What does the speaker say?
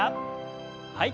はい。